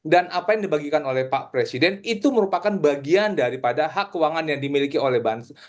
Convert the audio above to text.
dan apa yang dibagikan oleh pak presiden itu merupakan bagian daripada hak keuangan yang dimiliki oleh bansos